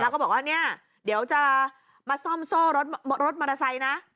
แล้วก็บอกว่าเนี่ยเดี๋ยวจะมาซ่อมโซ่รถมอเตอร์ไซค์นะ